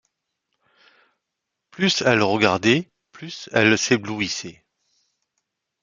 Plus elle regardait, plus elle s’éblouissait.